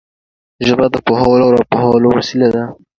ژبه د پوهولو او را پوهولو وسیله ده